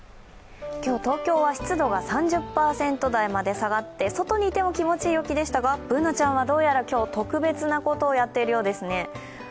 今日、東京は湿度が３０％台にまで下がって、外にいても気持ちいい陽気でしたがＢｏｏｎａちゃんは特別なことをやっているようですね。